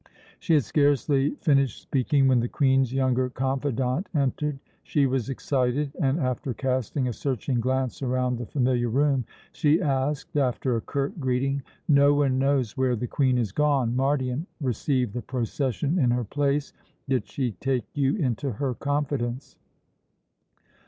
She had scarcely finished speaking when the Queen's younger confidante entered. She was excited and, after casting a searching glance around the familiar room, she asked, after a curt greeting: "No one knows where the Queen has gone. Mardion received the procession in her place. Did she take you into her confidence?"